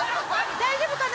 大丈夫かな？